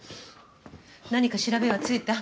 何か調べはついた？